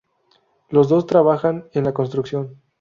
Los dos trabajan en la construcción.